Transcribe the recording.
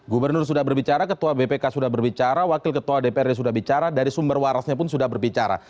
gubernur sudah berbicara ketua bpk sudah berbicara wakil ketua dprd sudah bicara dari sumber warasnya pun sudah berbicara